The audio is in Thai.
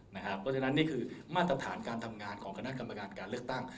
เพราะฉะนั้นนี่คือมาตรฐานการทำงานของคณะกรรมการการเลือกตั้ง